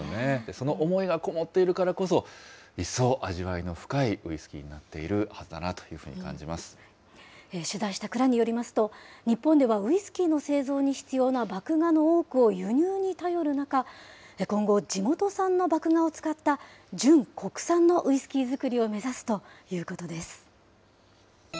その思いが込もっているからこそ、一層、味わいの深いウイスキーになっているはずだなというふうに取材した蔵によりますと、日本ではウイスキーの製造に必要な麦芽の多くを輸入に頼る中、今後、地元産の麦芽を使った純国産のウイスキー造りを目指すということです。